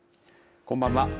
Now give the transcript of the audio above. こんばんは。